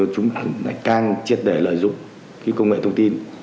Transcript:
chúng đã triệt để lợi dụng công nghệ thông tin